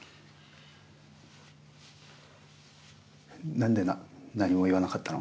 なんでな何も言わなかったの？